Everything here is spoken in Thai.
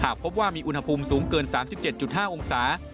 พบว่ามีอุณหภูมิสูงเกิน๓๗๕องศา